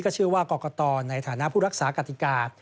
เชื่อว่ากรกตในฐานะผู้รักษากติกา